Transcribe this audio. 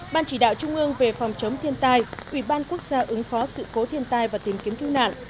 ban chỉ đạo trung ương về phòng chống thiên tai ủy ban quốc gia ứng phó sự cố thiên tai và tìm kiếm cứu nạn